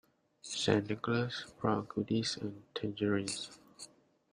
St. Nicholas brought goodies and tangerines.